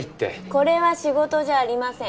これは仕事じゃありません。